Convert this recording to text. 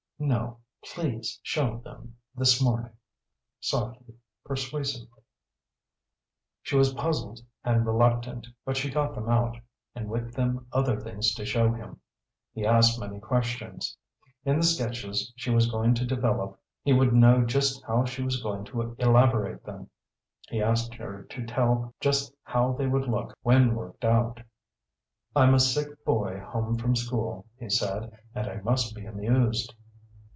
"No, please show them this morning," softly, persuasively. She was puzzled, and reluctant, but she got them out, and with them other things to show him. He asked many questions. In the sketches she was going to develop he would know just how she was going to elaborate them. He asked her to tell just how they would look when worked out. "I'm a sick boy home from school," he said, "and I must be amused."